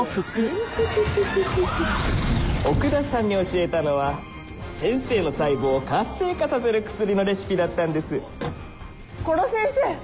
ヌルフフフフ奥田さんに教えたのは先生の細胞を活性化させる薬のレシピだったんです殺せんせー